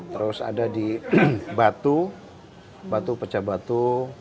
terus ada di batu batu pecah batu